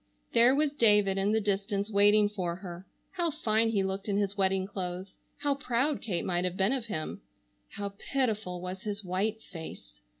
There was David in the distance waiting for her. How fine he looked in his wedding clothes! How proud Kate might have been of him! How pitiful was his white face!